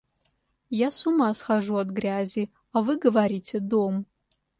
Я с ума схожу от грязи, а вы говорите — дом!